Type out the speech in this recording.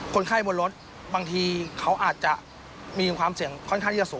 คนไข้บนรถบางทีเขาอาจจะมีความเสี่ยงค่อนข้างที่จะสูง